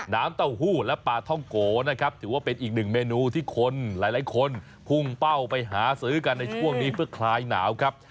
น้ำเต้าหู้และปลาท่องโกนะครับถือว่าเป็นอีกหนึ่งเมนูที่คนหลายคนพุ่งเป้าไปหาซื้อกันในช่วงนี้เพื่อคลายหนาวครับ